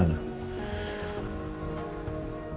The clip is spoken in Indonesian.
terus itu mau